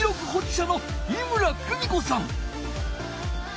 しゃの井村久美子さん！